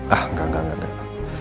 ah enggak enggak enggak